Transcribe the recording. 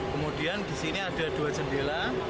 kemudian disini ada dua jendela